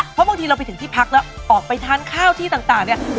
เพราะบางทีเราไปถึงที่พักแล้วออกไปทานข้าวที่ต่างเนี่ย